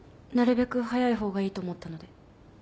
なるべく早い方がいいと思ったので。